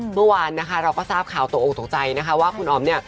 เมื่อวานนะคะเราก็ทราบข่าวตกออกตกใจนะคะว่าคุณอ๋อมเนี่ย